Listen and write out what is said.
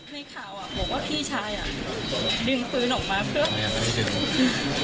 ในข่าวบอกว่าพี่ชายดึงปืนออกมาเพิ่ม